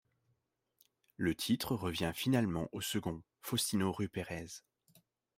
Le titre revient finalement au second, Faustino Rupérez.